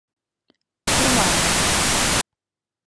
Пурлажым.